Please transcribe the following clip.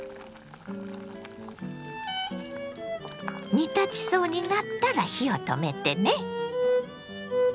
煮立ちそうになったら火を止めてね。